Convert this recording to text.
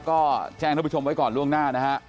ก็แจ้งท่านผู้ชมไว้ก่อนล่วงหน้านะฮะ